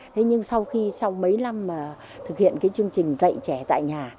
thế nhưng sau khi sau mấy năm thực hiện cái chương trình dạy trẻ tại nhà